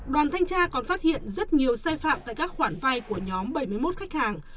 đoàn thanh tra còn phát hiện rất nhiều sai phạm tại các khoản vay của nhóm bảy mươi một khách hàng